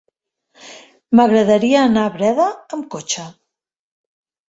M'agradaria anar a Breda amb cotxe.